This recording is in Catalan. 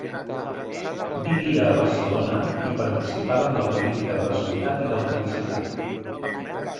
Vivia a Barcelona i participava en la política de la ciutat i del Principat.